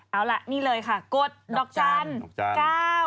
เอาล่ะนี่เลยค่ะกดดอกจันทร์